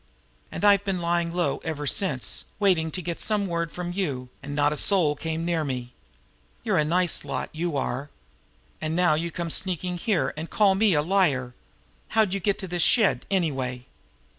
And I've been lying low ever since, waiting to get word from some of you, and not a soul came near me. You're a nice lot, you are! And now you come sneaking here and call me a liar! How'd you get to this shed, anyway?"